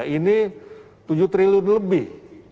ini tujuh triliun lebih